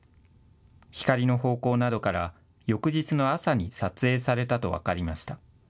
光の方向などから翌日の朝に撮影されたと分かりました。